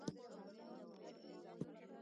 بوتل زموږ د ورځني ژوند نه بېلېدونکی شی دی.